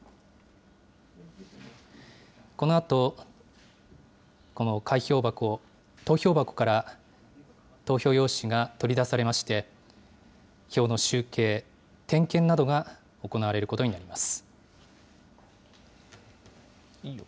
このあと、この開票箱、投票箱から投票用紙が取り出されまして、票の集計、点検などが行われることになります。